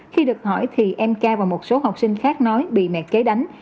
khi được hỏi thì em cai và một số học sinh khác nói bị mẹ kế đánh